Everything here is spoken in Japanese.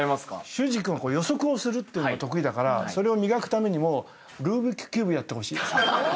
修志君は予測をするのが得意だからそれを磨くためにもルービックキューブやってほしい。